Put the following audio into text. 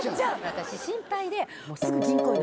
私心配で。